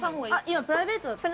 今プライベートだった？